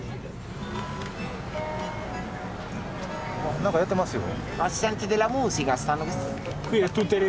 何かやってますよ。